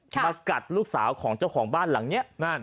มากัดลูกสาวของเจ้าของบ้านหลังนี้